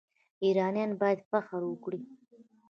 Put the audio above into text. ایرانیان باید فخر وکړي.